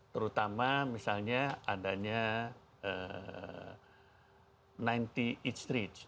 terutama misalnya adanya sembilan puluh delapan th street